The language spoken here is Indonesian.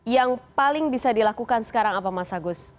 yang paling bisa dilakukan sekarang apa mas agus